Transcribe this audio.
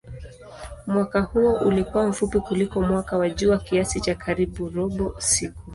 Mwaka huo ulikuwa mfupi kuliko mwaka wa jua kiasi cha karibu robo siku.